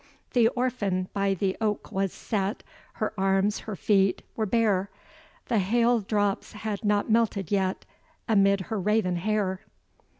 The orphan by the oak was set, Her arms, her feet, were bare, The hail drops had not melted yet, Amid her raven hair.